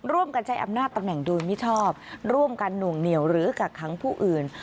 ร่วมกันใช้อำนาจตำแหน่งโดยมิชอบร่วมกันหน่วงเหนียวหรือกักขังผู้อื่น